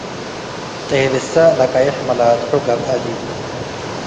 ጤብሰ ለቀይሕ መላትሑ ገብአ ዲ